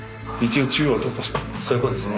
そういうことですね。